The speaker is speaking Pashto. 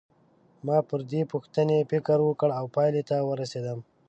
ما پر دې پوښتنې فکر وکړ او پایلې ته ورسېدم.